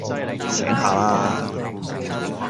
醒下啦